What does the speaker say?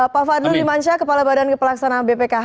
pak fadlu dimansyah kepala badan kepelaksanaan bpkh